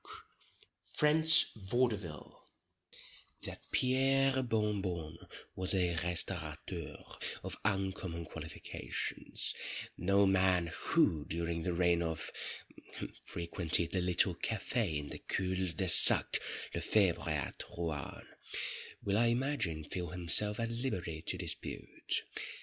—French Vaudeville That Pierre Bon Bon was a restaurateur of uncommon qualifications, no man who, during the reign of——, frequented the little Câfé in the cul de sac Le Febre at Rouen, will, I imagine, feel himself at liberty to dispute.